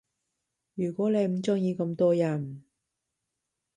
如果你唔鐘意咁多人